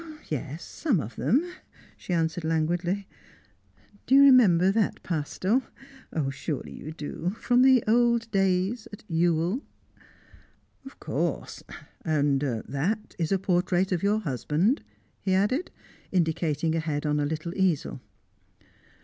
"Yes, some of them," she answered languidly. "Do you remember that pastel? Ah, surely you do from the old days at Ewell!" "Of course! That is a portrait of your husband?" he added, indicating a head on a little easel.